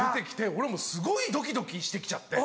俺もうすごいドキドキして来ちゃって。